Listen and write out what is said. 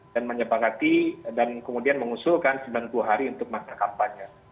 menyepakati dan kemudian mengusulkan sembilan puluh hari untuk masa kampanye